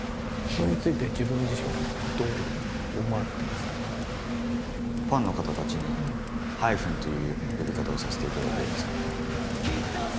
それについて自分自身はどう思われてますか？という呼び方をさせていただいてるんですけど。